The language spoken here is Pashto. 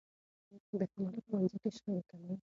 بخښنه په ښوونځي کې شخړې کموي.